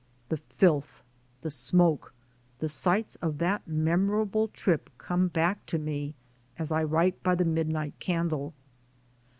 The filth, the smoke, the sights of that memorable trip come back to me as I write by the midnight candle.